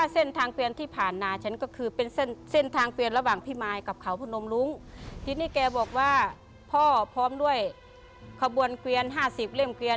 สังเขเวศีคืออะไรสังเขเวศี